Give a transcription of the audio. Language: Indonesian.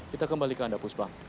kita kembalikan ke anda pusbom